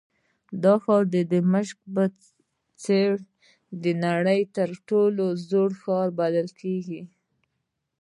دا ښار د دمشق په څېر د نړۍ تر ټولو زوړ ښار بلل کېږي.